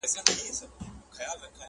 نن پښتون پر ویښېدو دی!